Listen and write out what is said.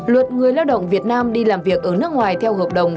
luật người lao động việt nam đi làm việc ở nước ngoài theo hợp đồng